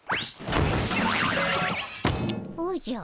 おじゃ。